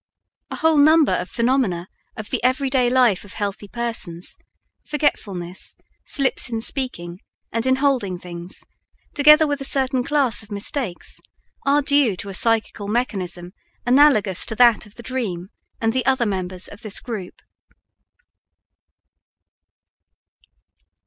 A whole number of phenomena of the everyday life of healthy persons, forgetfulness, slips in speaking and in holding things, together with a certain class of mistakes, are due to a psychical mechanism analogous to that of the dream and the other members of this group.